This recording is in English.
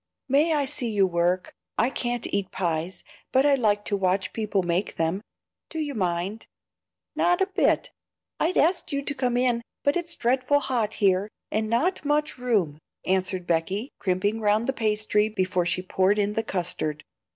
"May I see you work? I can't eat pies, but I like to watch people make them. Do you mind?" "Not a bit. I'd ask you to come in, but it's dreadful hot here, and not much room," answered Becky, crimping round the pastry before she poured in the custard.